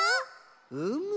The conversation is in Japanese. うむ。